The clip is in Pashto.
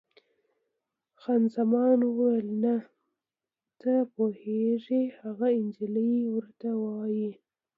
خان زمان وویل: نه، ته پوهېږې، هغه انجلۍ ورته وایي.